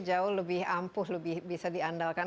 jauh lebih ampuh lebih bisa diandalkan